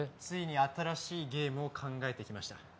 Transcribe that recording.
ついに新しいゲームを考えてきました。